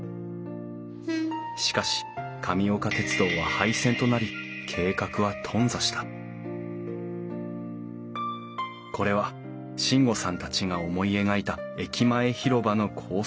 しかし神岡鉄道は廃線となり計画は頓挫したこれは進悟さんたちが思い描いた駅前広場の構想図。